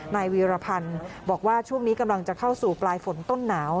วีรพันธ์บอกว่าช่วงนี้กำลังจะเข้าสู่ปลายฝนต้นหนาว